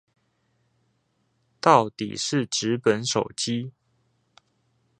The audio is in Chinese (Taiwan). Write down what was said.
倒底是紙本手機